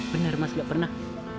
bener mas gak pernah